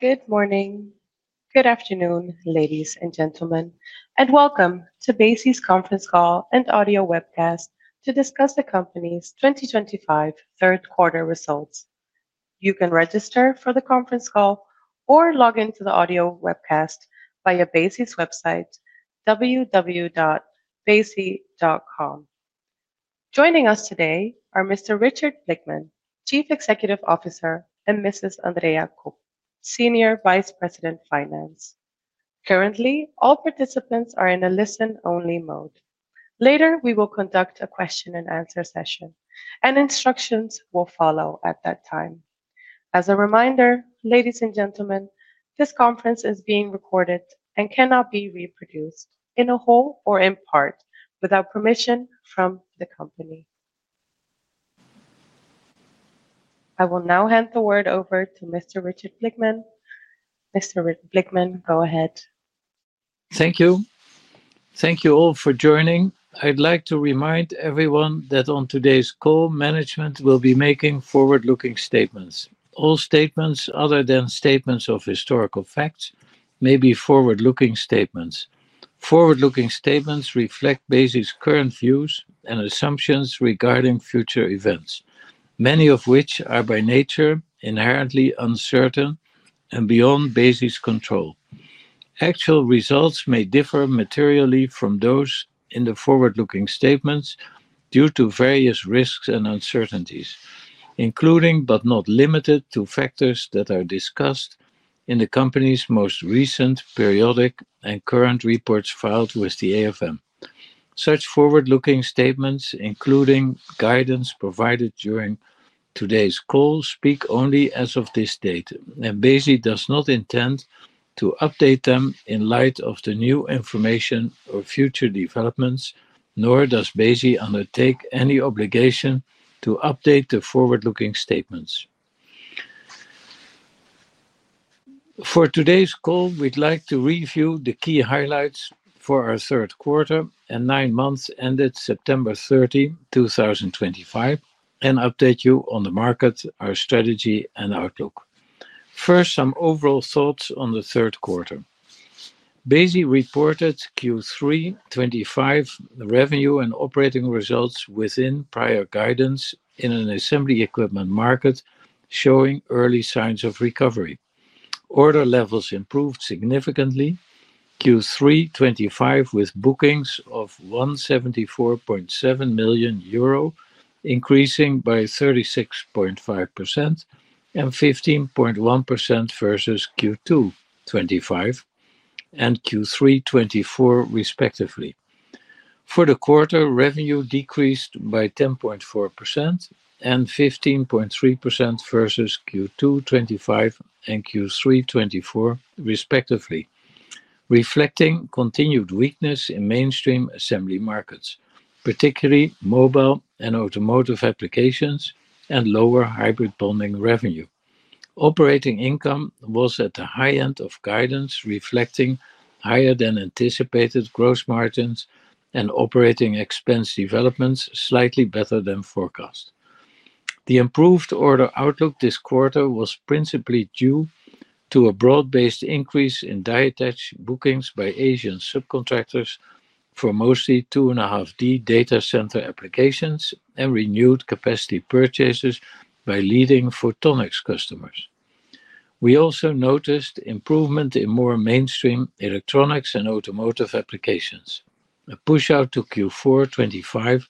Good morning. Good afternoon, ladies and gentlemen, and welcome to Besi's conference call and audio webcast to discuss the company's 2025 third quarter results. You can register for the conference call or log into the audio webcast via Besi's website, www.besi.com. Joining us today are Mr. Richard Blickman, Chief Executive Officer, and Mrs. Andrea Kopp, Senior Vice President, Finance. Currently, all participants are in a listen-only mode. Later, we will conduct a question and answer session, and instructions will follow at that time. As a reminder, ladies and gentlemen, this conference is being recorded and cannot be reproduced in whole or in part without permission from the company. I will now hand the word over to Mr. Richard Blickman. Mr. Blickman, go ahead. Thank you. Thank you all for joining. I'd like to remind everyone that on today's call, management will be making forward-looking statements. All statements, other than statements of historical facts, may be forward-looking statements. Forward-looking statements reflect Besi's current views and assumptions regarding future events, many of which are by nature inherently uncertain and beyond Besi's control. Actual results may differ materially from those in the forward-looking statements due to various risks and uncertainties, including but not limited to factors that are discussed in the company's most recent periodic and current reports filed with the AFM. Such forward-looking statements, including guidance provided during today's call, speak only as of this date, and Besi does not intend to update them in light of new information or future developments, nor does Besi undertake any obligation to update the forward-looking statements. For today's call, we'd like to review the key highlights for our third quarter and nine months ended September 30, 2025, and update you on the market, our strategy, and outlook. First, some overall thoughts on the third quarter. Besi reported Q3 2025 revenue and operating results within prior guidance in an assembly equipment market, showing early signs of recovery. Order levels improved significantly Q3 2025 with bookings of 174.7 million euro, increasing by 36.5% and 15.1% versus Q2 2025 and Q3 2024, respectively. For the quarter, revenue decreased by 10.4% and 15.3% versus Q2 2025 and Q3 2024, respectively, reflecting continued weakness in mainstream assembly markets, particularly mobile and automotive applications and lower hybrid bonding revenue. Operating income was at the high end of guidance, reflecting higher than anticipated gross margins and operating expense developments slightly better than forecast. The improved order outlook this quarter was principally due to a broad-based increase in die attach bookings by Asian subcontractors for mostly 2.5D data center applications and renewed capacity purchases by leading photonic customers. We also noticed improvement in more mainstream electronics and automotive applications. A push out to Q4 2025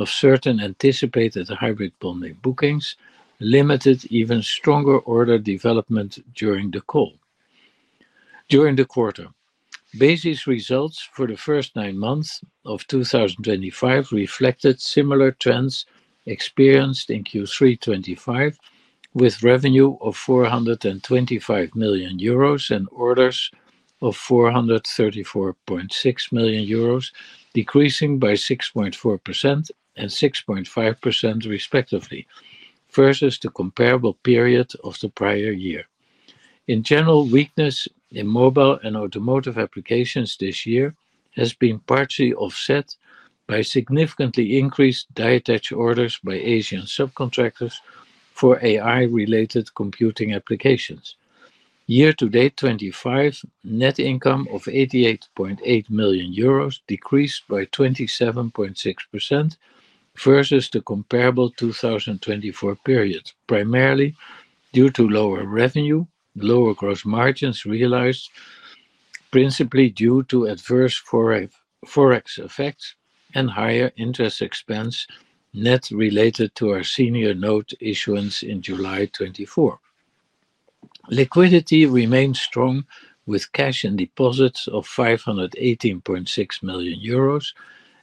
of certain anticipated hybrid bonding bookings limited even stronger order development during the call. During the quarter, Besi's results for the first nine months of 2025 reflected similar trends experienced in Q3 2025, with revenue of 425 million euros and orders of 434.6 million euros decreasing by 6.4% and 6.5%, respectively, versus the comparable period of the prior year. In general, weakness in mobile and automotive applications this year has been partially offset by significantly increased die attach orders by Asian subcontractors for AI-related computing applications. Year to date 2025, net income of 88.8 million euros decreased by 27.6% versus the comparable 2024 period, primarily due to lower revenue, lower gross margins realized, principally due to adverse forex effects and higher interest expense net related to our senior note issuance in July 2024. Liquidity remains strong with cash and deposits of 518.6 million euros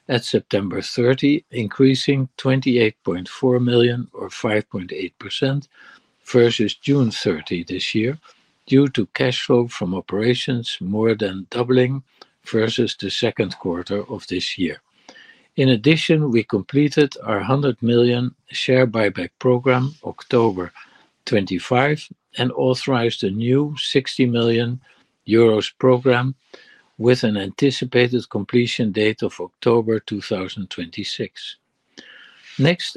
at September 30, increasing 28.4 million or 5.8% versus June 30 this year due to cash flow from operations more than doubling versus the second quarter of this year. In addition, we completed our 100 million share buyback program October 2025 and authorized a new 60 million euros program with an anticipated completion date of October 2026. Next,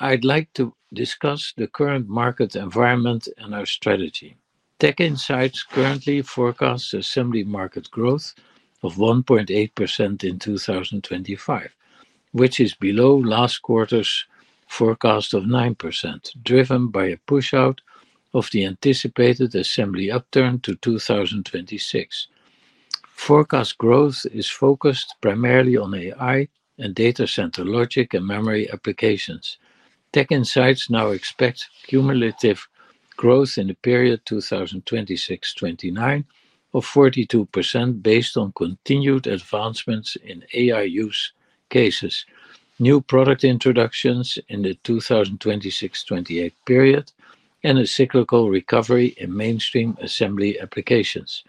I'd like to discuss the current market environment and our strategy. Tech Insights currently forecasts assembly market growth of 1.8% in 2025, which is below last quarter's forecast of 9%, driven by a push out of the anticipated assembly upturn to 2026. Forecast growth is focused primarily on AI and data center logic and memory applications. Tech Insights now expects cumulative growth in the period 2026-2029 of 42% based on continued advancements in AI use cases, new product introductions in the 2026-2028 period, and a cyclical recovery in mainstream assembly applications.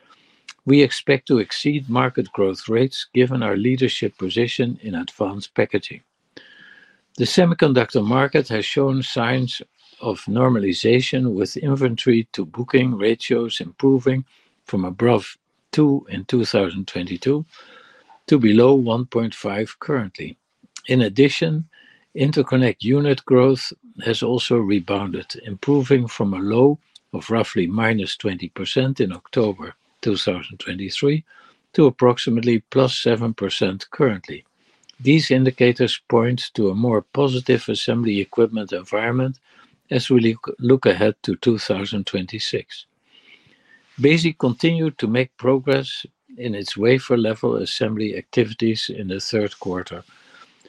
We expect to exceed market growth rates given our leadership position in advanced packaging. The semiconductor market has shown signs of normalization with inventory to booking ratios improving from above two in 2022 to below 1.5 currently. In addition, interconnect unit growth has also rebounded, improving from a low of roughly -20% in October 2023 to approximately +7% currently. These indicators point to a more positive assembly equipment environment as we look ahead to 2026. Besi continued to make progress in its wafer-level assembly activities in the third quarter,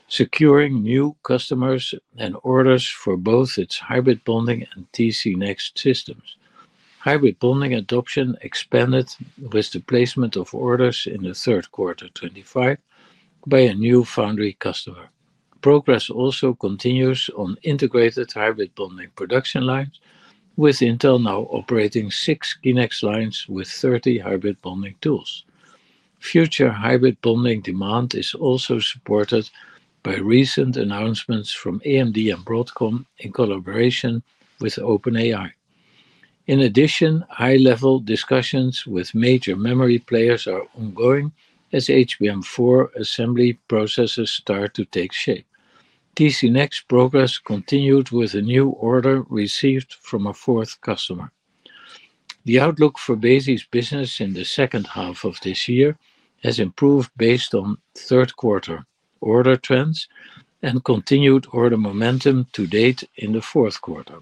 securing new customers and orders for both its hybrid bonding and TCnext systems. Hybrid bonding adoption expanded with the placement of orders in the third quarter 2025 by a new foundry customer. Progress also continues on integrated hybrid bonding production lines, with Intel now operating six KNX lines with 30 hybrid bonding tools. Future hybrid bonding demand is also supported by recent announcements from AMD and Broadcom in collaboration with OpenAI. In addition, high-level discussions with major memory players are ongoing as HBM4 assembly processes start to take shape. TCnext progress continued with a new order received from a fourth customer. The outlook for Besi's business in the second half of this year has improved based on third quarter order trends and continued order momentum to date in the fourth quarter.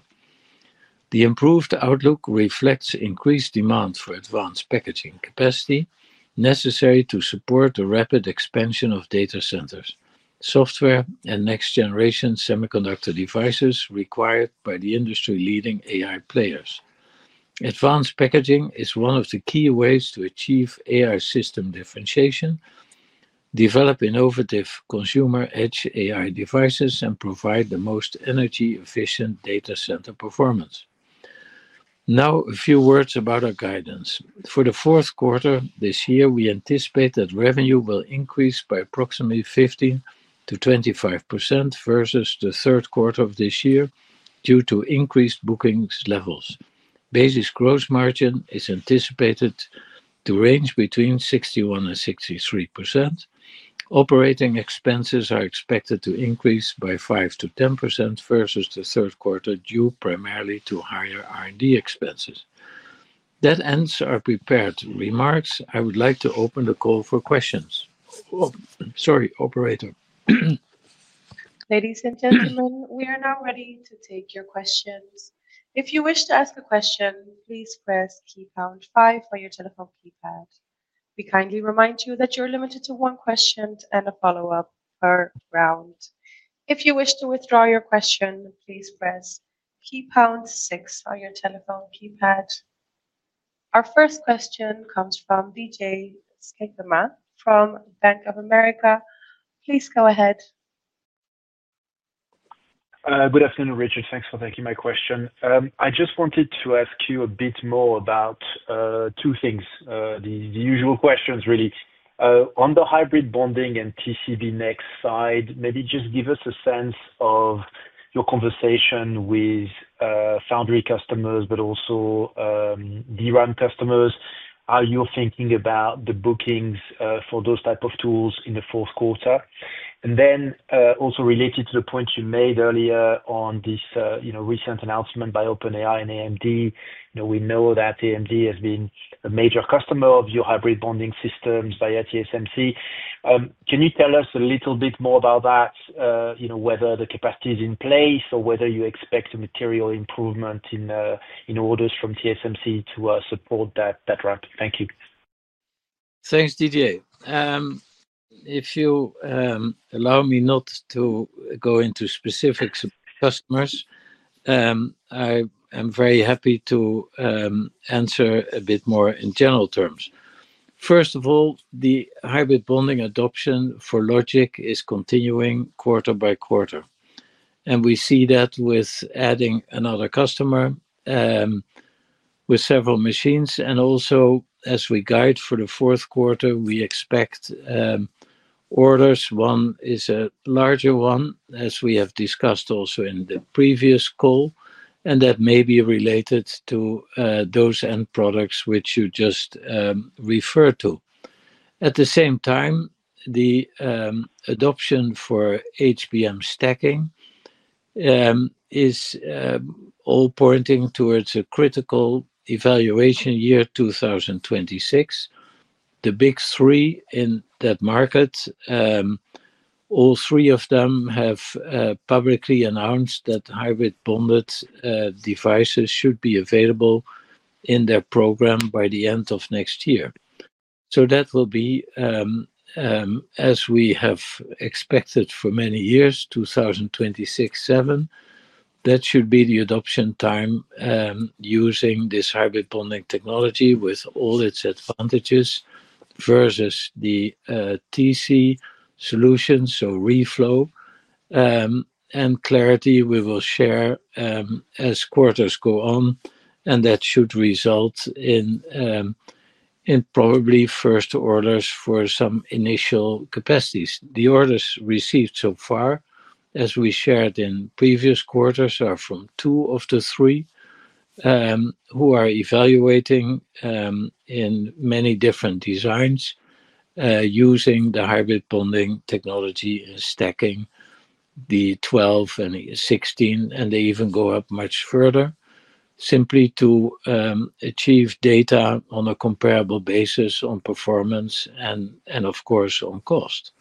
The improved outlook reflects increased demand for advanced packaging capacity necessary to support the rapid expansion of data centers, software, and next-generation semiconductor devices required by the industry-leading AI players. Advanced packaging is one of the key ways to achieve AI system differentiation, develop innovative consumer edge AI devices, and provide the most energy-efficient data center performance. Now, a few words about our guidance. For the fourth quarter this year, we anticipate that revenue will increase by approximately 15%-25% versus the third quarter of this year due to increased bookings levels. Besi's gross margin is anticipated to range between 61%-63%. Operating expenses are expected to increase by 5%-10% versus the third quarter due primarily to higher R&D expenses. That ends our prepared remarks. I would like to open the call for questions. Oh, sorry, operator. Ladies and gentlemen, we are now ready to take your questions. If you wish to ask a question, please press pound five on your telephone keypad. We kindly remind you that you're limited to one question and a follow-up per round. If you wish to withdraw your question, please press pound six on your telephone keypad. Our first question comes from Didier Scemama from Bank of America. Please go ahead. Good afternoon, Richard. Thanks for taking my question. I just wanted to ask you a bit more about two things, the usual questions really. On the hybrid bonding and TCnext side, maybe just give us a sense of your conversation with foundry customers, but also DRAM customers. Are you thinking about the bookings for those types of tools in the fourth quarter? Also, related to the point you made earlier on this recent announcement by OpenAI and AMD, we know that AMD has been a major customer of your hybrid bonding systems via TSMC. Can you tell us a little bit more about that, whether the capacity is in place or whether you expect a material improvement in orders from TSMC to support that RAM? Thank you. Thanks, Didier. If you allow me not to go into specific customers, I am very happy to answer a bit more in general terms. First of all, the hybrid bonding adoption for logic is continuing quarter by quarter. We see that with adding another customer with several machines. Also, as we guide for the fourth quarter, we expect orders. One is a larger one, as we have discussed also in the previous call, and that may be related to those end products which you just referred to. At the same time, the adoption for HBM stacking is all pointing towards a critical evaluation year 2026. The big three in that market, all three of them have publicly announced that hybrid bonded devices should be available in their program by the end of next year. That will be, as we have expected for many years, 2026-2027. That should be the adoption time using this hybrid bonding technology with all its advantages versus the TC solutions, so reflow. Clarity, we will share as quarters go on, and that should result in probably first orders for some initial capacities. The orders received so far, as we shared in previous quarters, are from two of the three who are evaluating in many different designs using the hybrid bonding technology and stacking the 12 and 16, and they even go up much further simply to achieve data on a comparable basis on performance and, of course, on cost.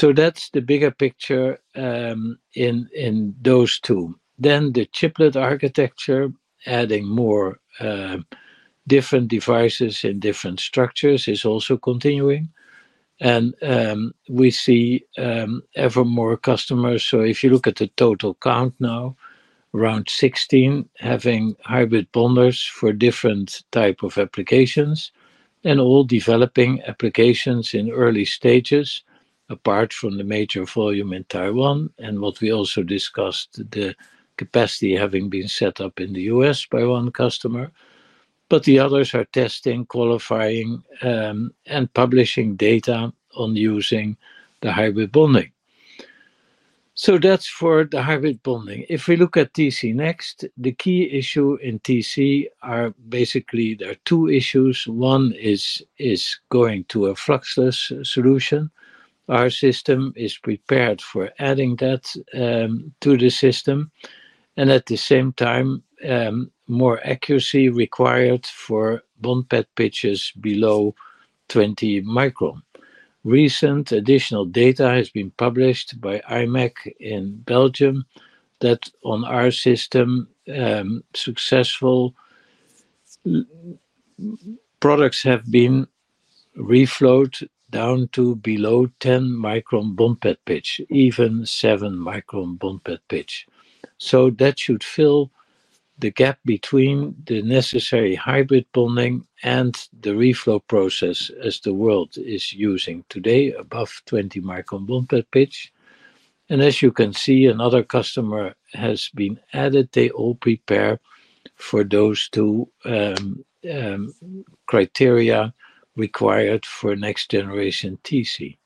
That is the bigger picture in those two. The chiplet architecture, adding more different devices in different structures, is also continuing. We see ever more customers. If you look at the total count now, around 16 having hybrid bonders for different types of applications and all developing applications in early stages, apart from the major volume in Taiwan. What we also discussed, the capacity having been set up in the U.S. by one customer. The others are testing, qualifying, and publishing data on using the hybrid bonding. That is for the hybrid bonding. If we look at TCnext, the key issue in TC are basically, there are two issues. One is going to a fluxless solution. Our system is prepared for adding that to the system. At the same time, more accuracy required for bond pitches below 20 micron. Recent additional data has been published by IMEC in Belgium that on our system, successful products have been reflowed down to below 10 micron bond pitch, even 7 micron bond pitch. That should fill the gap between the necessary hybrid bonding and the reflow process as the world is using today, above 20 micron bond pitch. As you can see, another customer has been added. They all prepare for those two criteria required for next-generation TC.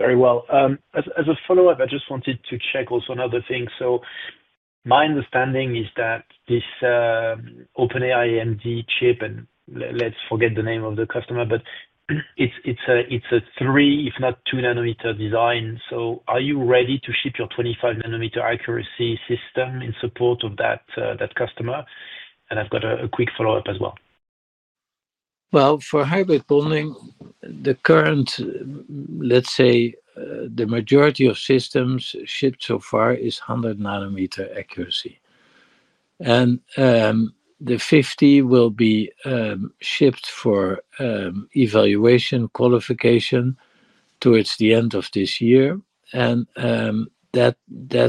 Very well. As a follow-up, I just wanted to check also another thing. My understanding is that this OpenAI AMD chip, and let's forget the name of the customer, is a three, if not two nanometer design. Are you ready to ship your 25 nanometer accuracy system in support of that customer? I've got a quick follow-up as well. For hybrid bonding, the current, let's say, the majority of systems shipped so far is 100 nanometer accuracy. The 50 will be shipped for evaluation qualification towards the end of this year, and that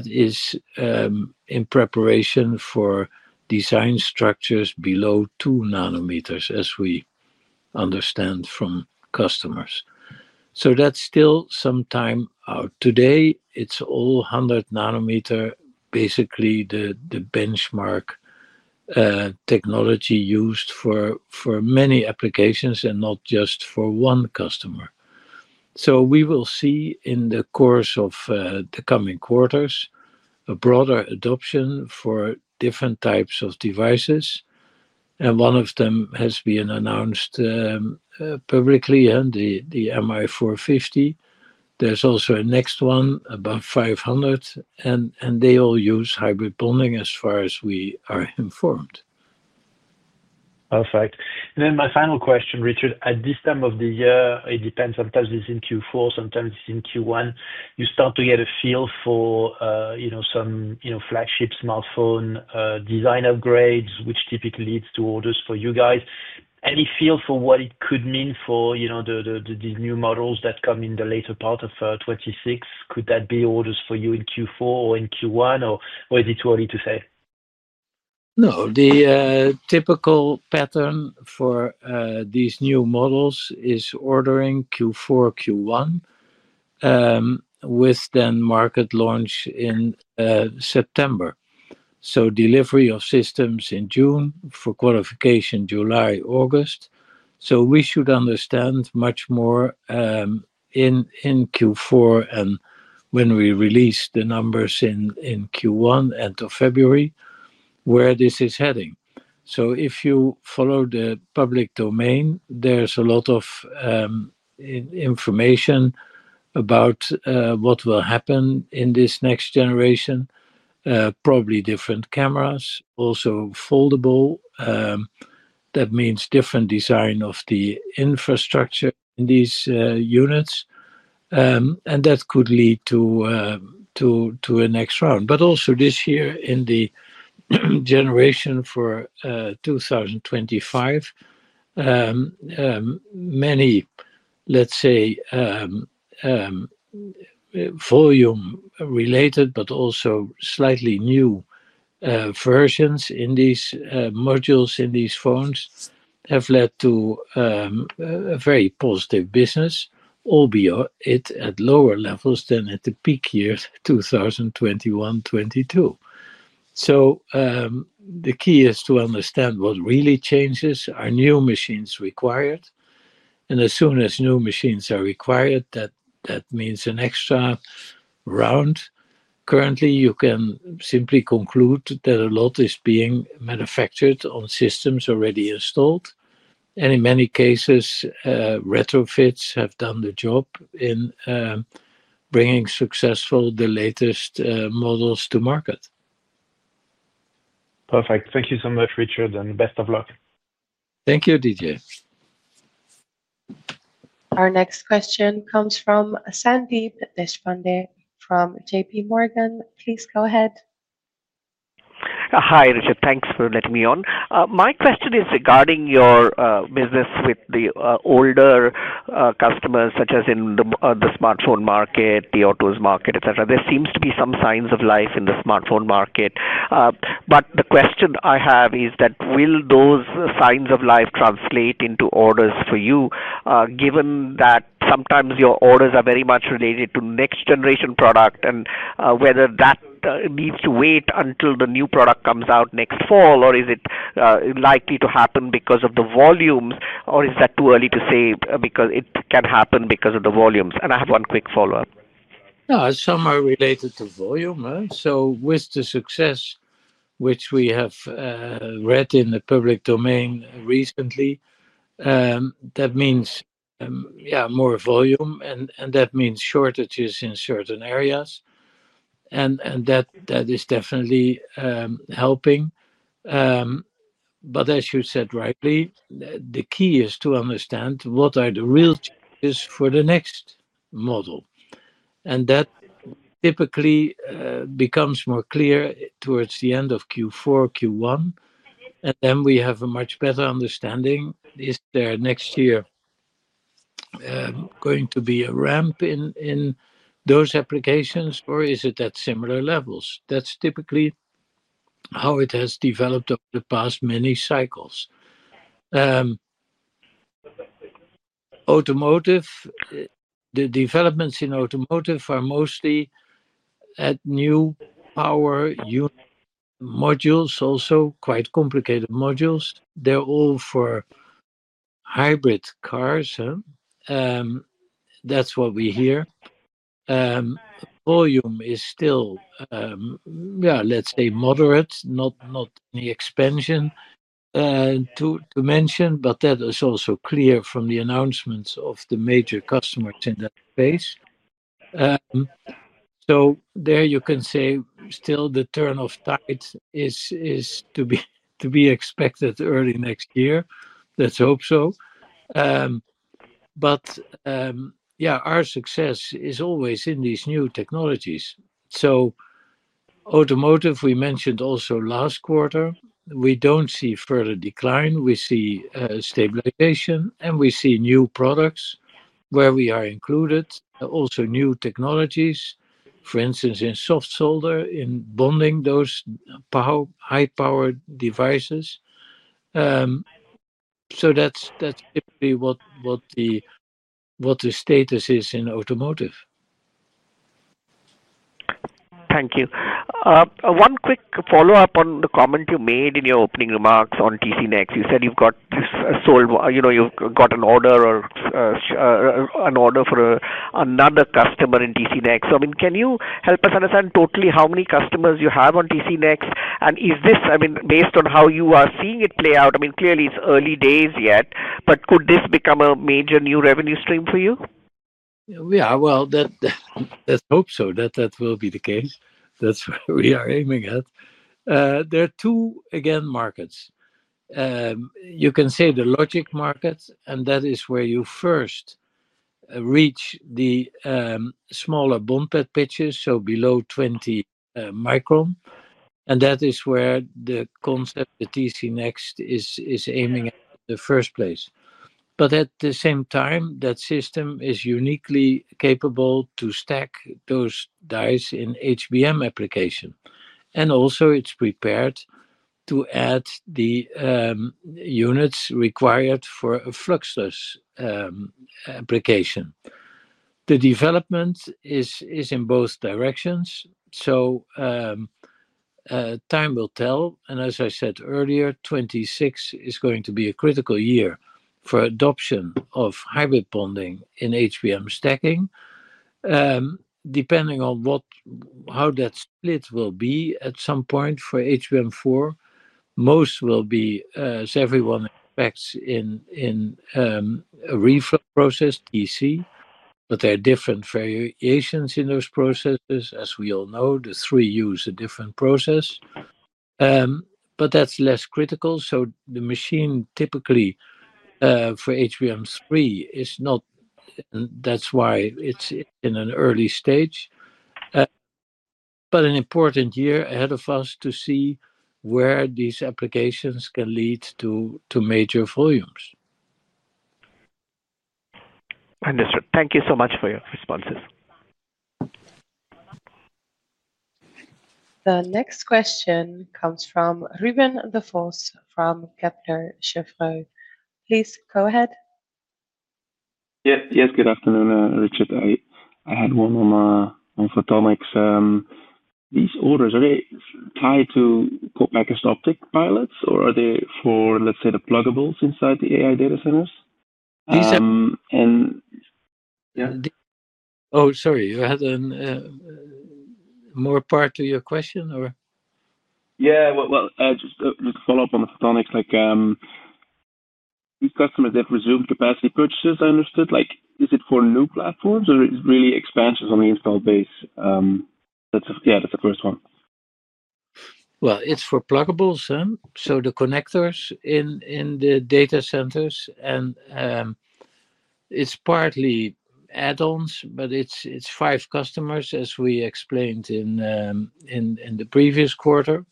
is in preparation for design structures below 2 nanometers, as we understand from customers. That's still some time out. Today, it's all 100 nanometer, basically the benchmark technology used for many applications and not just for one customer. We will see in the course of the coming quarters a broader adoption for different types of devices. One of them has been announced publicly, the MI450. There's also a next one, about 500, and they all use hybrid bonding as far as we are informed. Perfect. My final question, Richard, at this time of the year, it depends. Sometimes it's in Q4, sometimes it's in Q1. You start to get a feel for some flagship smartphone design upgrades, which typically leads to orders for you guys. Any feel for what it could mean for these new models that come in the later part of 2026? Could that be orders for you in Q4 or in Q1, or is it too early to say? No. The typical pattern for these new models is ordering Q4, Q1, with market launch in September. Delivery of systems is in June for qualification July, August. We should understand much more in Q4, and when we release the numbers in Q1, end of February, where this is heading. If you follow the public domain, there's a lot of information about what will happen in this next generation, probably different cameras, also foldable. That means different design of the infrastructure in these units. That could lead to a next round. Also, this year in the generation for 2025, many, let's say, volume-related, but also slightly new versions in these modules in these phones have led to a very positive business, albeit at lower levels than at the peak year 2021-2022. The key is to understand what really changes, are new machines required. As soon as new machines are required, that means an extra round. Currently, you can simply conclude that a lot is being manufactured on systems already installed. In many cases, retrofits have done the job in bringing successfully the latest models to market. Perfect. Thank you so much, Richard, and best of luck. Thank you, Didier. Our next question comes from Sandeep Deshpande from JPMorgan. Please go ahead. Hi, Richard. Thanks for letting me on. My question is regarding your business with the older customers, such as in the smartphone market, the autos market, etc. There seem to be some signs of life in the smartphone market. The question I have is that will those signs of life translate into orders for you, given that sometimes your orders are very much related to next-generation products and whether that needs to wait until the new product comes out next fall, or is it likely to happen because of the volumes, or is that too early to say because it can happen because of the volumes? I have one quick follow-up. No, it's somehow related to volume. With the success which we have read in the public domain recently, that means, yeah, more volume, and that means shortages in certain areas. That is definitely helping. As you said rightly, the key is to understand what are the real changes for the next model. That typically becomes more clear towards the end of Q4, Q1, and then we have a much better understanding. Is there next year going to be a ramp in those applications, or is it at similar levels? That's typically how it has developed over the past many cycles. Automotive, the developments in automotive are mostly at new power unit modules, also quite complicated modules. They're all for hybrid cars. That's what we hear. Volume is still, yeah, let's say moderate, not any expansion to mention, but that is also clear from the announcements of the major customers in that space. There you can say still the turn of tides is to be expected early next year. Let's hope so. Our success is always in these new technologies. Automotive, we mentioned also last quarter, we don't see further decline. We see stabilization, and we see new products where we are included, also new technologies, for instance, in soft solder, in bonding those high-powered devices. That's typically what the status is in automotive. Thank you. One quick follow-up on the comment you made in your opening remarks on TCnext. You said you've got sold, you've got an order or an order for another customer in TCnext. Can you help us understand totally how many customers you have on TCnext? Is this, based on how you are seeing it play out, clearly early days yet, but could this become a major new revenue stream for you? Yeah, let's hope so that that will be the case. That's where we are aiming at. There are two, again, markets. You can say the logic market, and that is where you first reach the smaller bond pitches, so below 20 micron. That is where the concept of TCnext is aiming at in the first place. At the same time, that system is uniquely capable to stack those dies in HBM application, and also, it's prepared to add the units required for a fluxless application. The development is in both directions. Time will tell. As I said earlier, 2026 is going to be a critical year for adoption of hybrid bonding in HBM stacking. Depending on how that split will be at some point for HBM4, most will be, as everyone expects, in a reflow process TC. There are different variations in those processes. As we all know, the three use a different process. That's less critical. The machine typically for HBM3 is not, and that's why it's in an early stage. An important year ahead of us to see where these applications can lead to major volumes. Understood. Thank you so much for your responses. The next question comes from Ruben Devos from Kepler Cheuvreux. Please go ahead. Yes. Yes. Good afternoon, Richard. I had one on photonic. These orders, are they tied to CoatMech's optic pilots, or are they for, let's say, the plugables inside the AI data centers? Oh, sorry. You had more to your question? Yeah. Just to follow up on the photonic, these customers, they have resumed capacity purchases, I understood. Is it for new platforms, or is it really expansions on the installed base? That's the first one. It's for plugables. The connectors in the data centers, and it's partly add-ons, but it's five customers, as we explained in the previous quarter.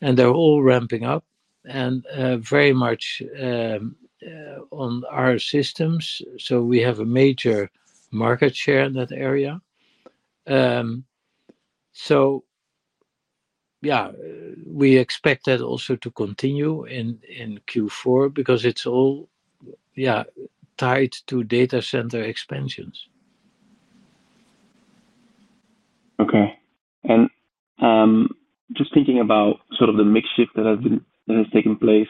They're all ramping up and very much on our systems. We have a major market share in that area. We expect that also to continue in Q4 because it's all tied to data center expansions. Okay. Just thinking about the mix shift that has taken place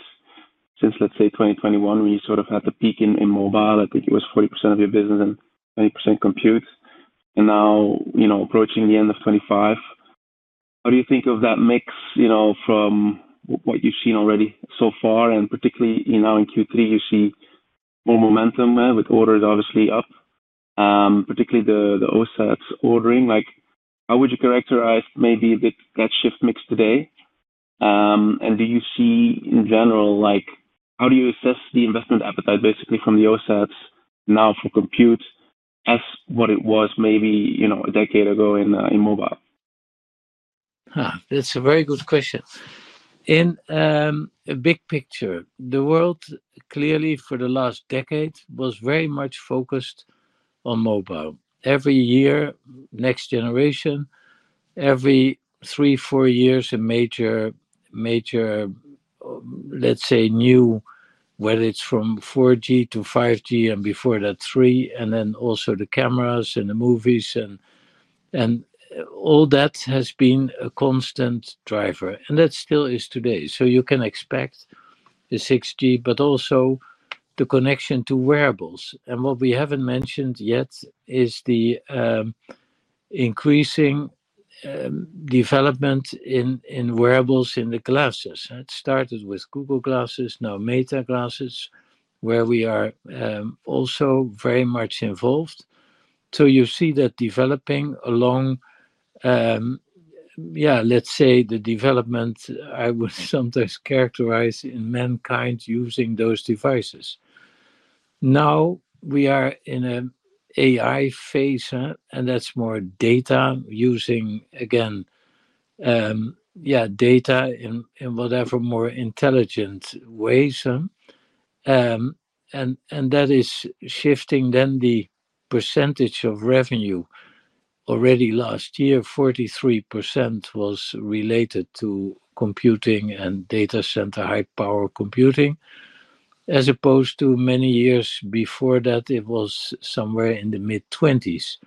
since, let's say, 2021, when you had the peak in mobile, I think it was 40% of your business and 20% compute. Now, approaching the end of 2025, how do you think of that mix from what you've seen already so far? Particularly now in Q3, you see more momentum with orders, obviously up, particularly the OSATs ordering. How would you characterize that shift mix today? Do you see, in general, how do you assess the investment appetite from the OSATs now for compute as what it was maybe a decade ago in mobile? That's a very good question. In a big picture, the world clearly for the last decade was very much focused on mobile. Every year, next generation, every three, four years, a major, major, let's say, new, whether it's from 4G to 5G and before that, three, and then also the cameras and the movies and all that has been a constant driver. That still is today. You can expect the 6G, but also the connection to wearables. What we haven't mentioned yet is the increasing development in wearables in the glasses. It started with Google Glasses, now Meta Glasses, where we are also very much involved. You see that developing along, let's say, the development I would sometimes characterize in mankind using those devices. Now we are in an AI phase, and that's more data using, again, data in whatever more intelligent ways. That is shifting then the percentage of revenue. Already last year, 43% was related to computing and data center high-power computing. As opposed to many years before that, it was somewhere in the mid-20s.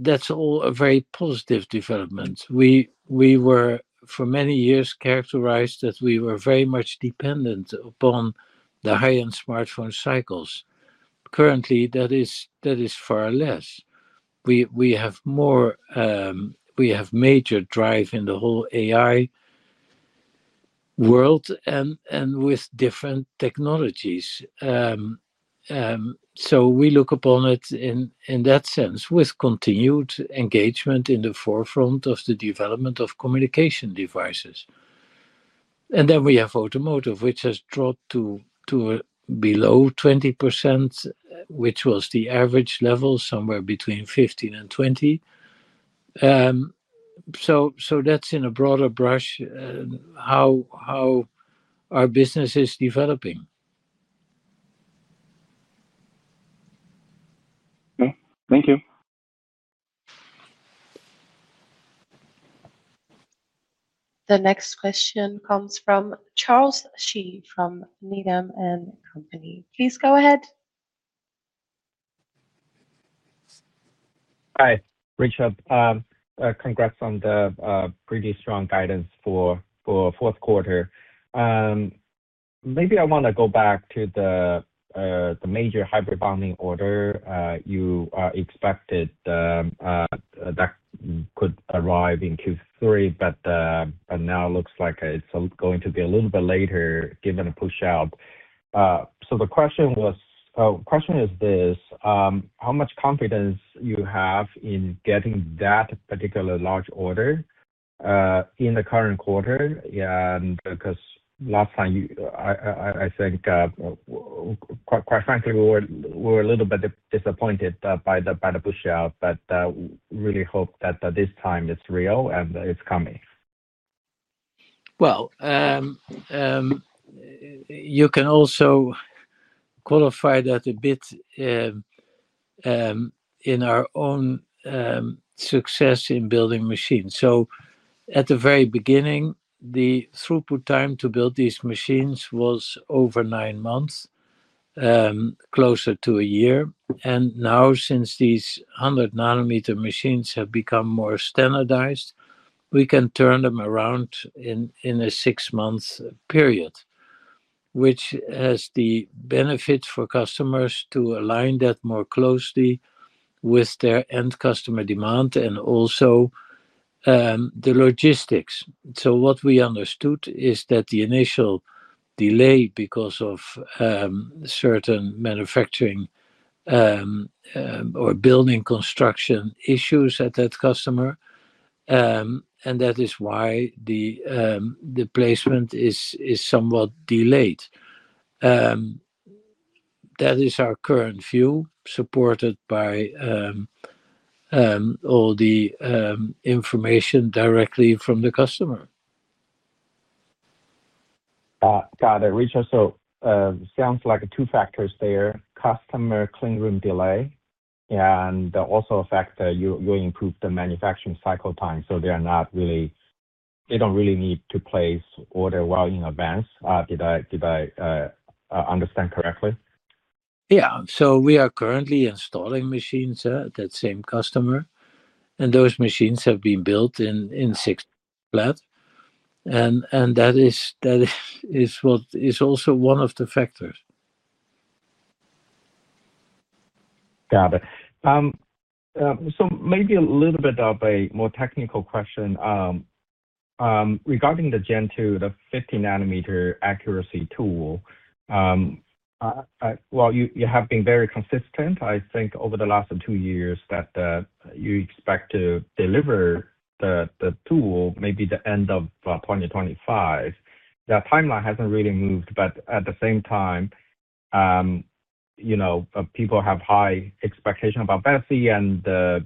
That's all a very positive development. We were for many years characterized that we were very much dependent upon the high-end smartphone cycles. Currently, that is far less. We have more, we have major drive in the whole AI world and with different technologies. We look upon it in that sense with continued engagement in the forefront of the development of communication devices. We have automotive, which has dropped to below 20%, which was the average level somewhere between 15% and 20%. That's in a broader brush and how our business is developing. Okay, thank you. The next question comes from Charles Shi from Needham & Co. Please go ahead. Hi, Richard. Congrats on the pretty strong guidance for the fourth quarter. I want to go back to the major hybrid bonding order you expected that could arrive in Q3, but now it looks like it's going to be a little bit later given the push-out. The question is this: how much confidence you have in getting that particular large order in the current quarter? Last time, I think, quite frankly, we were a little bit disappointed by the push-out, but really hope that this time it's real and it's coming. You can also qualify that a bit in our own success in building machines. At the very beginning, the throughput time to build these machines was over nine months, closer to a year. Now, since these 100-nanometer machines have become more standardized, we can turn them around in a six-month period, which has the benefit for customers to align that more closely with their end customer demand and also the logistics. What we understood is that the initial delay was because of certain manufacturing or building construction issues at that customer, and that is why the placement is somewhat delayed. That is our current view supported by all the information directly from the customer. Got it, Richard. It sounds like two factors there: customer clean room delay, and also a factor you improve the manufacturing cycle time. They're not really, they don't really need to place order well in advance. Did I understand correctly? We are currently installing machines at that same customer, and those machines have been built in six months flat. That is also one of the factors. Got it. Maybe a little bit of a more technical question regarding the Gen 2, the 50-nanometer accuracy tool. You have been very consistent, I think, over the last two years that you expect to deliver the tool maybe at the end of 2025. That timeline hasn't really moved, but at the same time, people have high expectations about Besi and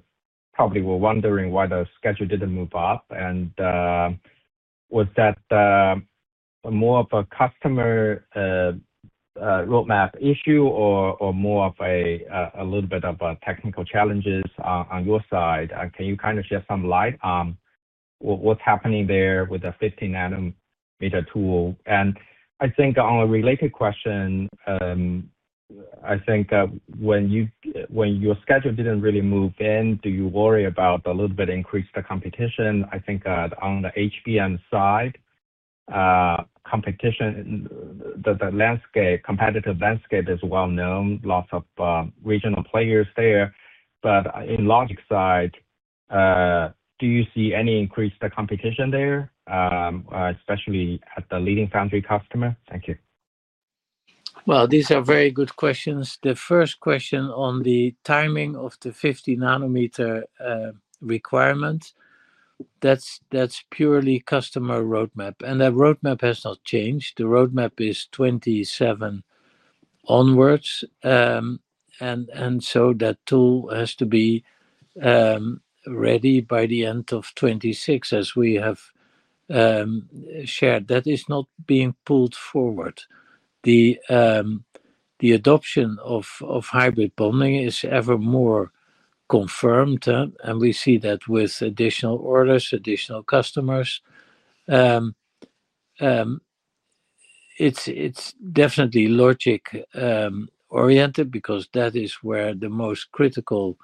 probably were wondering why the schedule didn't move up. Was that more of a customer roadmap issue or more of a little bit of technical challenges on your side? Can you shed some light on what's happening there with the 50-nanometer tool? On a related question, when your schedule didn't really move in, do you worry about a little bit increased competition? I think on the HBM side, the competitive landscape is well known. Lots of regional players there. In the logic side, do you see any increased competition there, especially at the leading foundry customer? Thank you. These are very good questions. The first question on the timing of the 50-nanometer requirement, that's purely customer roadmap. That roadmap has not changed. The roadmap is 2027 onwards, and that tool has to be ready by the end of 2026, as we have shared. That is not being pulled forward. The adoption of hybrid bonding is ever more confirmed, and we see that with additional orders, additional customers. It's definitely logic-oriented because that is where the most critical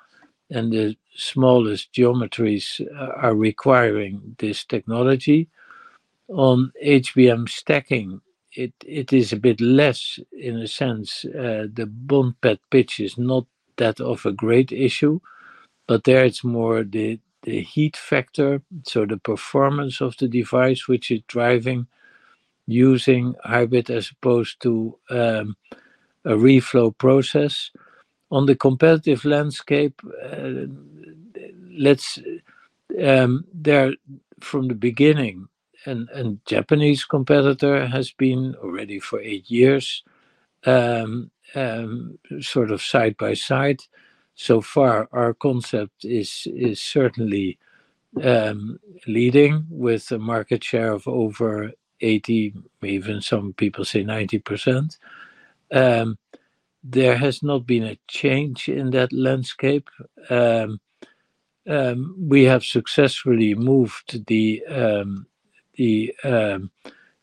and the smallest geometries are requiring this technology. On HBM stacking, it is a bit less in a sense. The bond pitch is not that of a great issue, but there it's more the heat factor, so the performance of the device, which is driving using hybrid as opposed to a reflow process. On the competitive landscape, from the beginning, a Japanese competitor has been already for eight years sort of side by side. So far, our concept is certainly leading with a market share of over 80%, maybe even some people say 90%. There has not been a change in that landscape. We have successfully moved the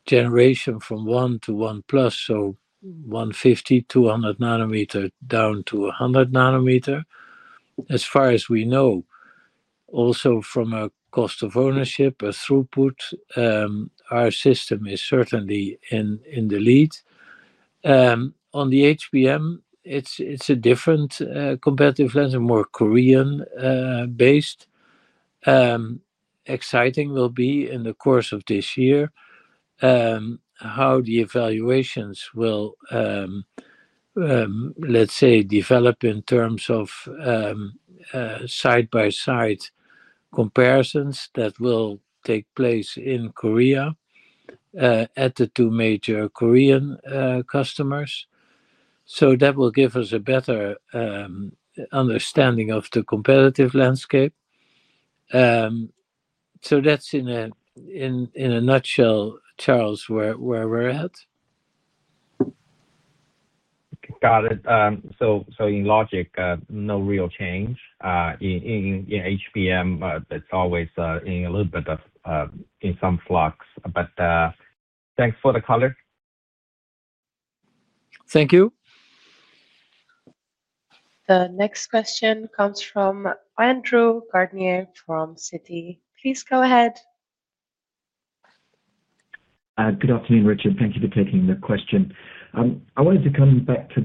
generation from 1 to 1+, so 150, 200 nanometer down to 100 nanometer. As far as we know, also from a cost of ownership, a throughput, our system is certainly in the lead. On the HBM, it's a different competitive lens, a more Korean-based. Exciting will be in the course of this year how the evaluations will, let's say, develop in terms of side-by-side comparisons that will take place in Korea at the two major Korean customers. That will give us a better understanding of the competitive landscape. That's in a nutshell, Charles, where we're at. Got it. In logic, no real change. In HBM, it's always in a little bit of, in some flux. Thanks for the color. Thank you. The next question comes from [Andrew Coliench] from Citi. Please go ahead. Good afternoon, Richard. Thank you for taking the question. I wanted to come back to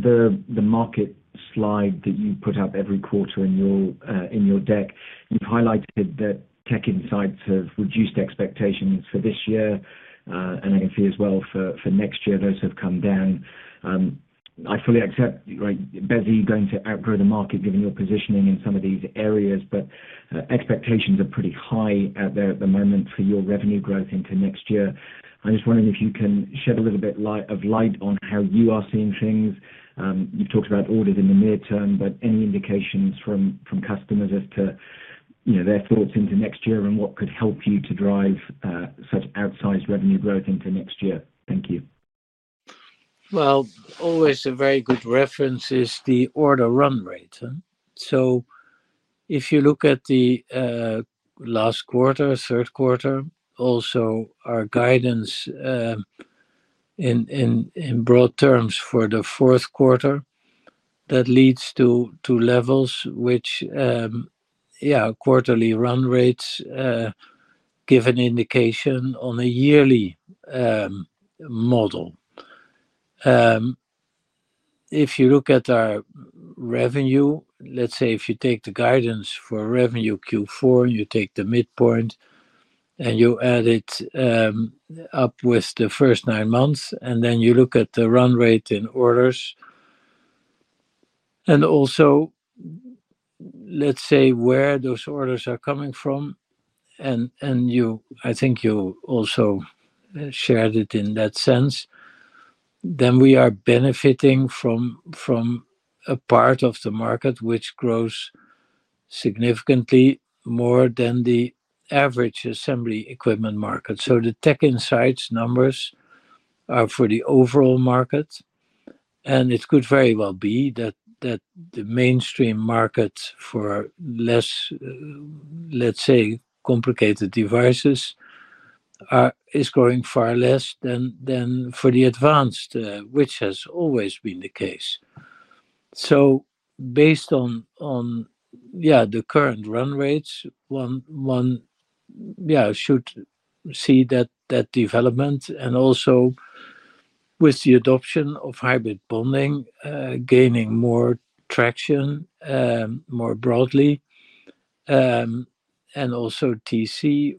the market slide that you put up every quarter in your deck. You've highlighted that Tech Insights have reduced expectations for this year, and I can see as well for next year. Those have come down. I fully accept, right, Basis, you're going to outgrow the market given your positioning in some of these areas, but expectations are pretty high out there at the moment for your revenue growth into next year. I'm just wondering if you can shed a little bit of light on how you are seeing things. You've talked about orders in the near term, but any indications from customers as to their thoughts into next year and what could help you to drive such outsized revenue growth into next year? Thank you. A very good reference is the order run rate. If you look at the last quarter, third quarter, also our guidance in broad terms for the fourth quarter, that leads to levels which, quarterly run rates give an indication on a yearly model. If you look at our revenue, let's say if you take the guidance for revenue Q4 and you take the midpoint and you add it up with the first nine months, and then you look at the run rate in orders, and also, let's say where those orders are coming from, and you, I think you also shared it in that sense, then we are benefiting from a part of the market which grows significantly more than the average assembly equipment market. The Tech Insights numbers are for the overall market. It could very well be that the mainstream market for less, let's say, complicated devices is growing far less than for the advanced, which has always been the case. Based on the current run rates, one should see that development and also with the adoption of hybrid bonding gaining more traction more broadly, and also TC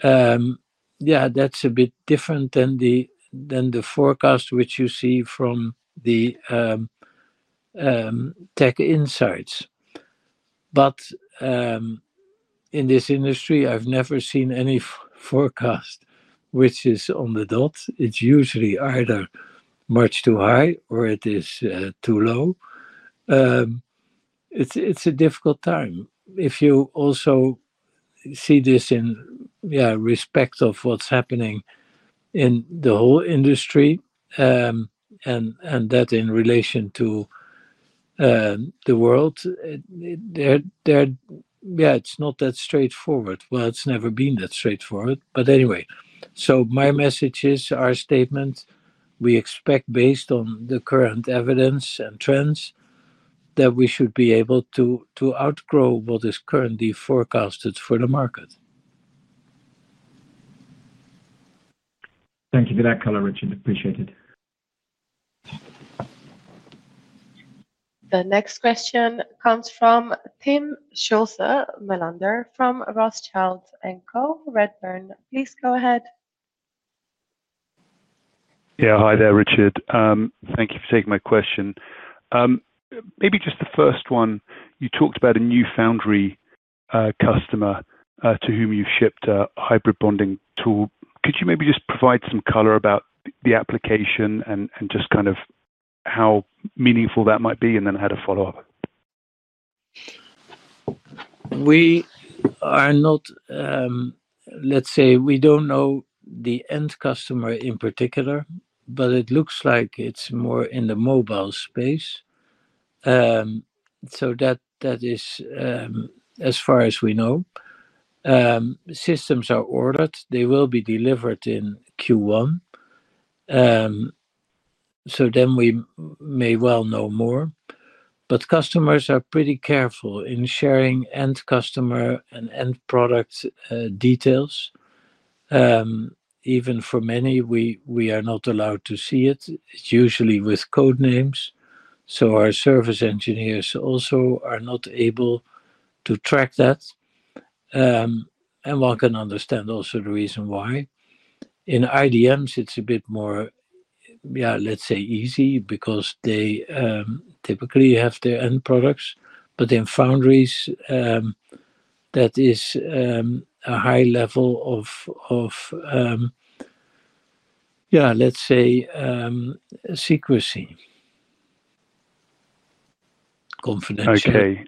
for that matter. That is a bit different than the forecast which you see from the Tech Insights. In this industry, I've never seen any forecast which is on the dot. It's usually either much too high or it is too low. It's a difficult time. If you also see this in respect of what's happening in the whole industry and that in relation to the world, it's not that straightforward. It's never been that straightforward. Anyway, my message is our statement. We expect, based on the current evidence and trends, that we should be able to outgrow what is currently forecasted for the market. Thank you for that color, Richard. Appreciate it. The next question comes from Timm Schulze-Melander from Rothschild & Co Redburn. Please go ahead. Hi there, Richard. Thank you for taking my question. Maybe just the first one. You talked about a new foundry customer to whom you've shipped a hybrid bonding tool. Could you maybe just provide some color about the application and just kind of how meaningful that might be, and then I had a follow-up? Let's say we don't know the end customer in particular, but it looks like it's more in the mobile space. That is, as far as we know, systems are ordered. They will be delivered in Q1. We may well know more. Customers are pretty careful in sharing end customer and end product details. Even for many, we are not allowed to see it. It's usually with code names. Our service engineers also are not able to track that. One can understand also the reason why. In IDMs, it's a bit more, let's say, easy because they typically have their end products. In foundries, that is a high level of, let's say, secrecy, confidential. Okay.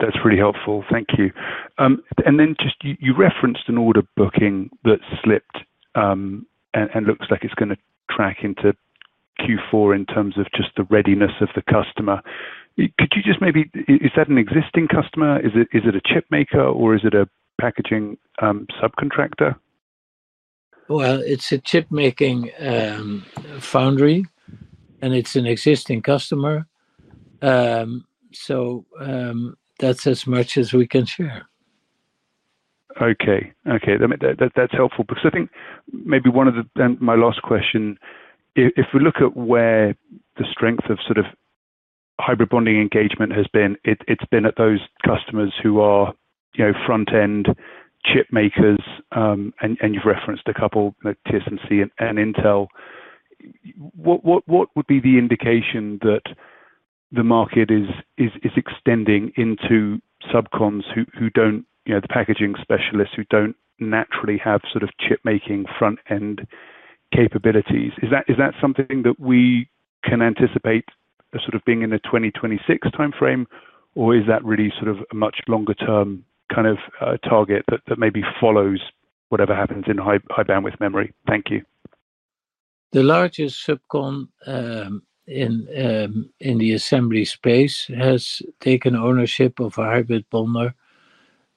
That's really helpful. Thank you. You referenced an order booking that slipped and looks like it's going to track into Q4 in terms of just the readiness of the customer. Could you just maybe, is that an existing customer? Is it a chip maker or is it a packaging subcontractor? It is a chip-making foundry and it's an existing customer. That's as much as we can share. Okay. That's helpful. I think maybe one of the, and my last question, if we look at where the strength of sort of hybrid bonding engagement has been, it's been at those customers who are, you know, front-end chip makers, and you've referenced a couple, like TSMC and Intel. What would be the indication that the market is extending into subcons, the packaging specialists who don't naturally have sort of chip-making front-end capabilities? Is that something that we can anticipate as sort of being in the 2026 timeframe, or is that really sort of a much longer-term kind of target that maybe follows whatever happens in high bandwidth memory? Thank you. The largest subcon in the assembly space has taken ownership of a hybrid bonder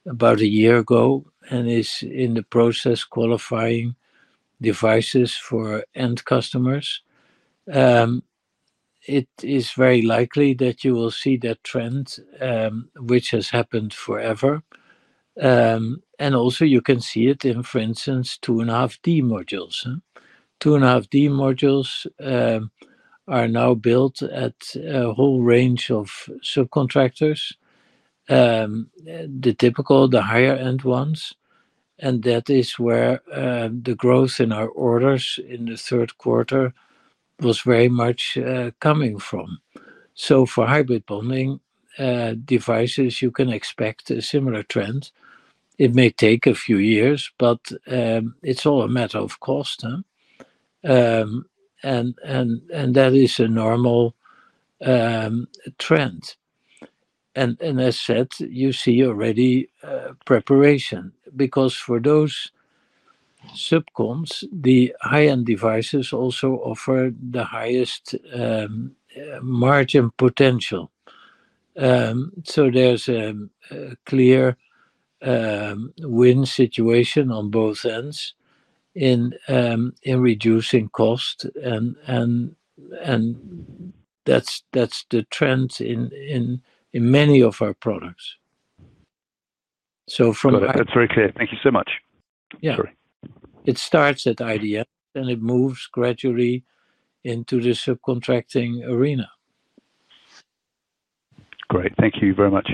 about a year ago and is in the process of qualifying devices for end customers. It is very likely that you will see that trend, which has happened forever. You can also see it in, for instance, 2.5D modules. 2.5D modules are now built at a whole range of subcontractors, the typical, the higher-end ones. That is where the growth in our orders in the third quarter was very much coming from. For hybrid bonding devices, you can expect a similar trend. It may take a few years, but it's all a matter of cost. That is a normal trend. As said, you see already preparation because for those subcons, the high-end devices also offer the highest margin potential. There's a clear win situation on both ends in reducing cost. That's the trend in many of our products. That's very clear. Thank you so much. Yeah, it starts at IDM and it moves gradually into the subcontracting arena. Great. Thank you very much.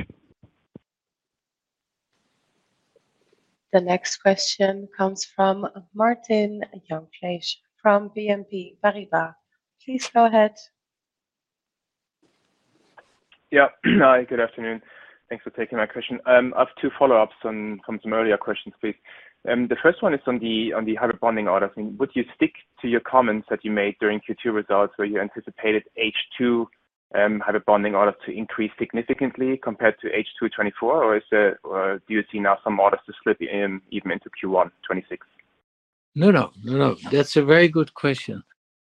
The next question comes from Martin Jungfleisch from BNP Paribas. Please go ahead. Hi. Good afternoon. Thanks for taking my question. I have two follow-ups from some earlier questions, please. The first one is on the hybrid bonding orders. Would you stick to your comments that you made during Q2 results where you anticipated H2 hybrid bonding orders to increase significantly compared to H2 2024, or do you see now some orders to slip even into Q1 2026? That's a very good question.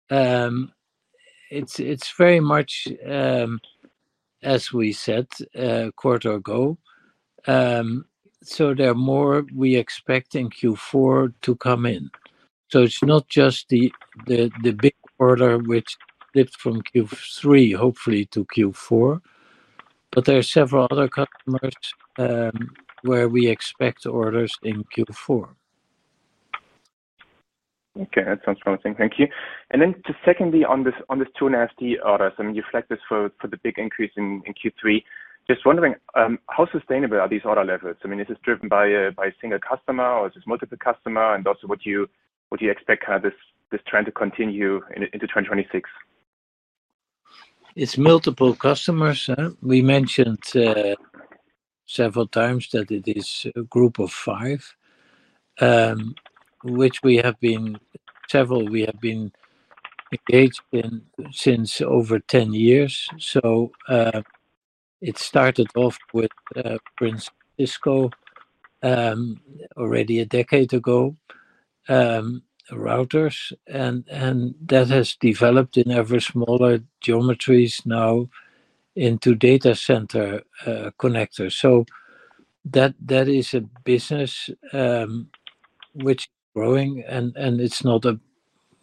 It's very much, as we said, a quarter ago. There are more we expect in Q4 to come in. It's not just the big order which slipped from Q3, hopefully to Q4, but there are several other customers where we expect orders in Q4. Okay. That sounds promising. Thank you. Secondly, on this 2.5D orders, you flagged this for the big increase in Q3. Just wondering, how sustainable are these order levels? Is this driven by a single customer or is this multiple customers? Also, would you expect this trend to continue into 2026? It's multiple customers. We mentioned several times that it is a group of five, which we have been engaged in since over 10 years. It started off with, for instance, Cisco already a decade ago, routers, and that has developed in ever smaller geometries now into data center connectors. That is a business which is growing, and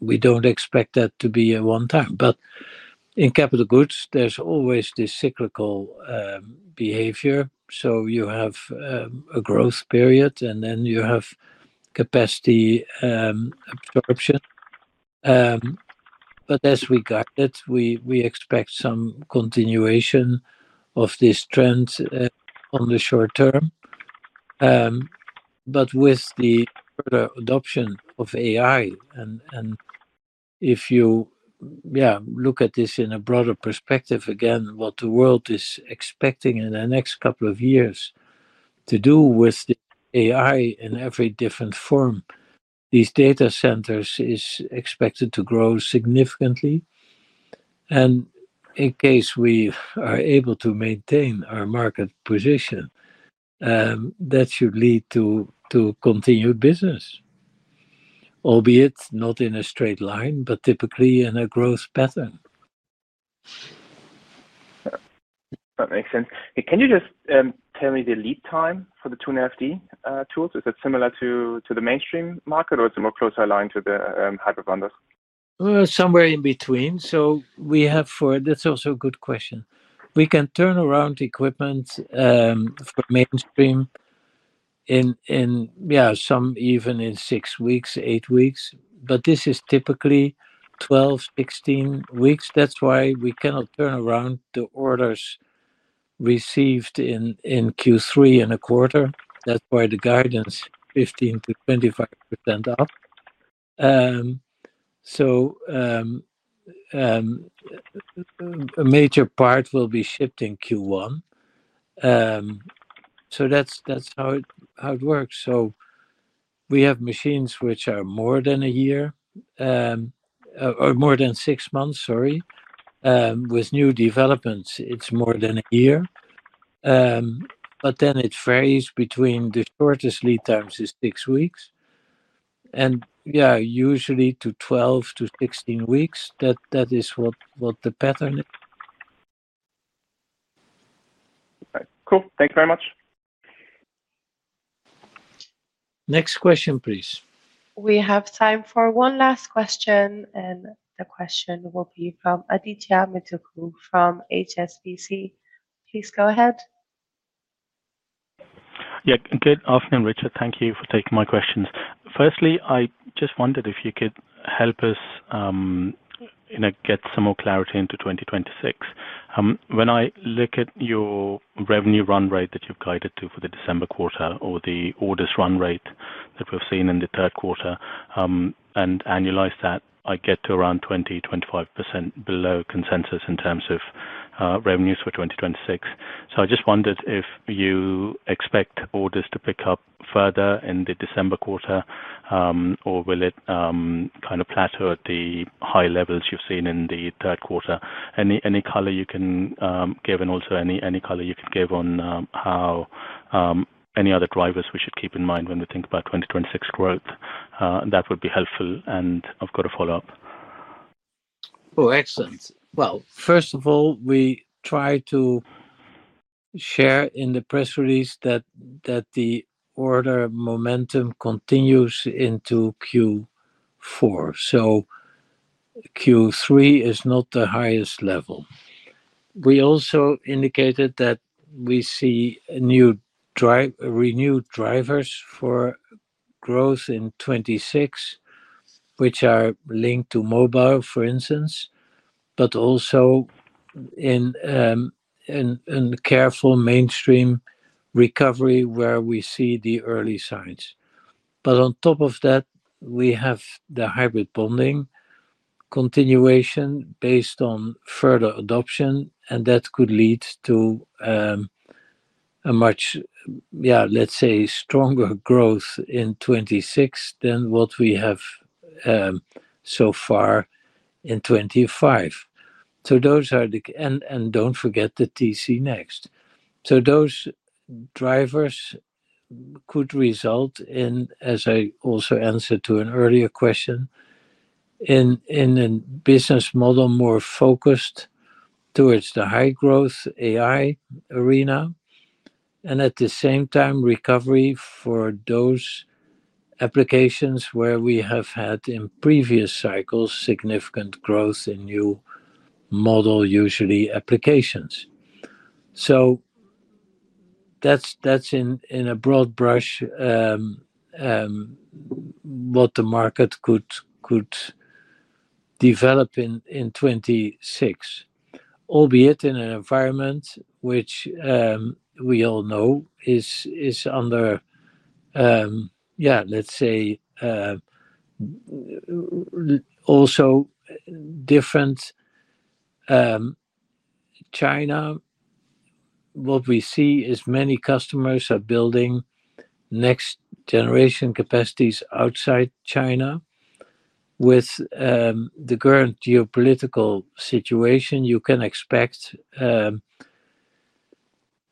we don't expect that to be a one-time. In capital goods, there's always this cyclical behavior. You have a growth period and then you have capacity absorption. As we guided, we expect some continuation of this trend in the short term. With the further adoption of AI, if you look at this in a broader perspective, again, what the world is expecting in the next couple of years to do with AI in every different form, these data centers are expected to grow significantly. In case we are able to maintain our market position, that should lead to continued business, albeit not in a straight line, but typically in a growth pattern. That makes sense. Can you just tell me the lead time for the 2.5D tools? Is it similar to the mainstream assembly markets, or is it more closely aligned to the hybrid bonding systems? Somewhere in between. That's also a good question. We can turn around equipment for mainstream in, yeah, some even in six weeks, eight weeks. This is typically 12-16 weeks. That's why we cannot turn around the orders received in Q3 in a quarter. That's why the guidance is 15%-25% up. A major part will be shipped in Q1. That's how it works. We have machines which are more than a year or more than six months, sorry. With new developments, it's more than a year. It varies between the shortest lead times is six weeks, and usually to 12-16 weeks, that is what the pattern is. Okay. Cool. Thank you very much. Next question, please. We have time for one last question, and the question will be from Adithya Metuku from HSBC. Please go ahead. Yeah. Good afternoon, Richard. Thank you for taking my questions. Firstly, I just wondered if you could help us, you know, get some more clarity into 2026. When I look at your revenue run rate that you've guided to for the December quarter or the orders run rate that we've seen in the third quarter and annualize that, I get to around 20%-25% below consensus in terms of revenues for 2026. I just wondered if you expect orders to pick up further in the December quarter, or will it kind of plateau at the high levels you've seen in the third quarter? Any color you can give, and also any color you can give on how any other drivers we should keep in mind when we think about 2026 growth, that would be helpful. I've got a follow-up. Oh, excellent. First of all, we try to share in the press release that the order momentum continues into Q4. Q3 is not the highest level. We also indicated that we see new renewed drivers for growth in 2026, which are linked to mobile, for instance, but also in a careful mainstream recovery where we see the early signs. On top of that, we have the hybrid bonding continuation based on further adoption, and that could lead to a much, yeah, let's say, stronger growth in 2026 than what we have so far in 2025. Those are the, and don't forget the TCnext. Those drivers could result in, as I also answered to an earlier question, in a business model more focused towards the high-growth AI arena. At the same time, recovery for those applications where we have had in previous cycles significant growth in new model, usually applications. That's in a broad brush what the market could develop in 2026, albeit in an environment which we all know is under, yeah, let's say, also different China. What we see is many customers are building next-generation capacities outside China. With the current geopolitical situation, you can expect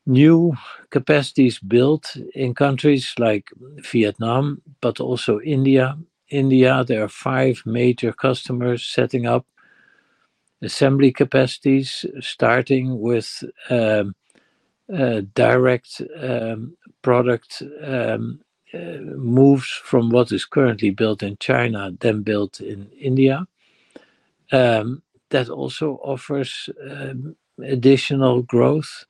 new capacities built in countries like Vietnam, but also India. India, there are five major customers setting up assembly capacities, starting with direct product moves from what is currently built in China, then built in India. That also offers additional growth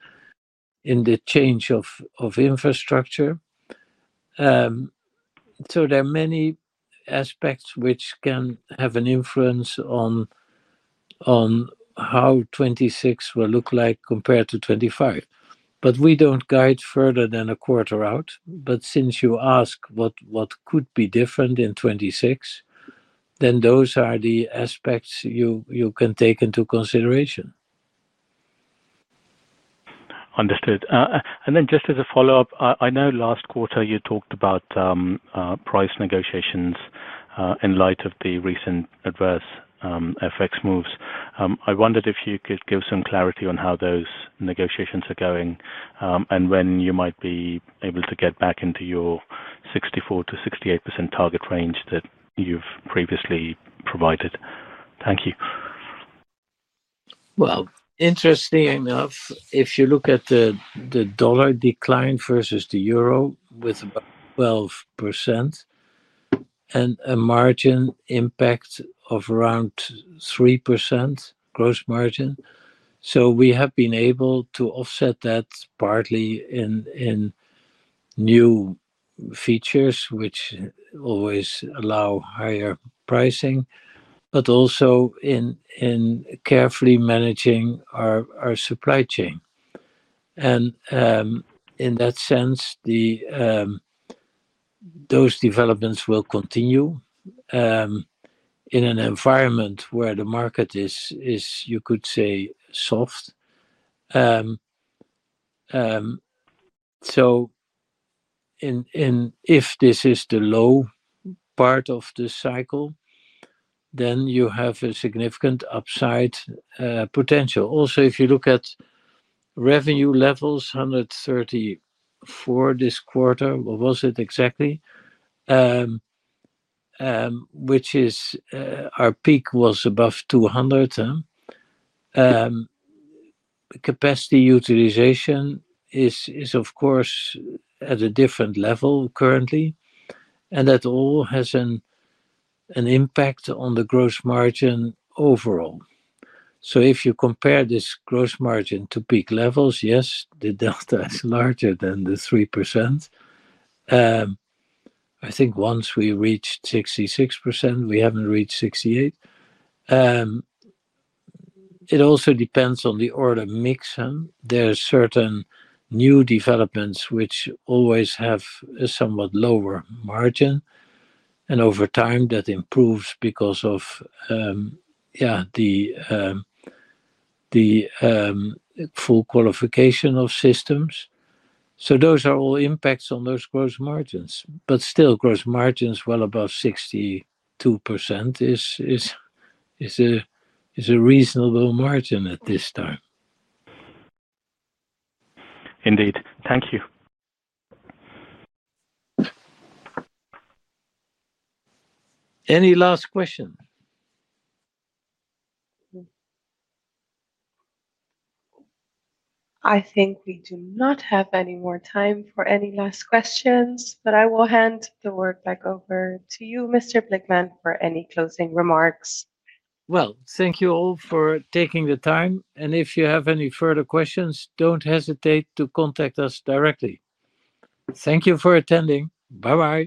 in the change of infrastructure. There are many aspects which can have an influence on how 2026 will look like compared to 2025. We don't guide further than a quarter out. Since you ask what could be different in 2026, then those are the aspects you can take into consideration. Understood. Just as a follow-up, I know last quarter you talked about price negotiations in light of the recent adverse FX moves. I wondered if you could give some clarity on how those negotiations are going and when you might be able to get back into your 64%-68% target range that you've previously provided. Thank you. If you look at the dollar decline versus the euro with about 12% and a margin impact of around 3% gross margin, we have been able to offset that partly in new features, which always allow higher pricing, but also in carefully managing our supply chain. In that sense, those developments will continue in an environment where the market is, you could say, soft. If this is the low part of the cycle, then you have a significant upside potential. Also, if you look at revenue levels, $134 million this quarter, what was it exactly? Our peak was above $200 million. Capacity utilization is, of course, at a different level currently, and that all has an impact on the gross margin overall. If you compare this gross margin to peak levels, yes, the delta is larger than the 3%. I think once we reached 66%, we haven't reached 68%. It also depends on the order mix. There are certain new developments which always have a somewhat lower margin, and over time, that improves because of the full qualification of systems. Those are all impacts on those gross margins. Still, gross margins well above 62% is a reasonable margin at this time. Indeed, thank you. Any last question? I think we do not have any more time for any last questions, but I will hand the word back over to you, Mr. Blickman, for any closing remarks. Thank you all for taking the time. If you have any further questions, don't hesitate to contact us directly. Thank you for attending. Bye-bye.